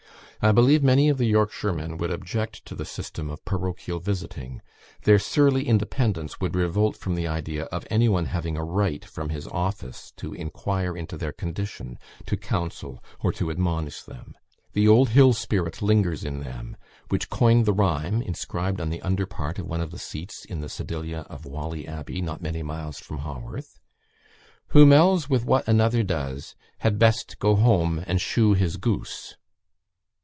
I believe many of the Yorkshiremen would object to the system of parochial visiting; their surly independence would revolt from the idea of any one having a right, from his office, to inquire into their condition, to counsel, or to admonish them. The old hill spirit lingers in them, which coined the rhyme, inscribed on the under part of one of the seats in the Sedilia of Whalley Abbey, not many miles from Haworth, "Who mells wi' what another does Had best go home and shoe his goose."